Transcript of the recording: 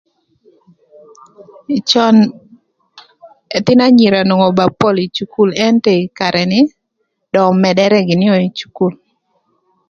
Cön ëthïno anyira onwongo ba pol ï cukul ëntö ï karë ni dong ömëdërë gïnï ökö ï cukul.